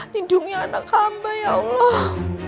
hidungnya anak hamba ya allah